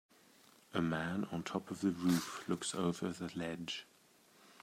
A man on top of the roof looks over the ledge.